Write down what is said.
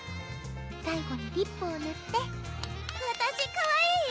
最後にリップをぬってわたしかわいい？